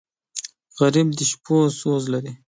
غریب د شپو سوز لري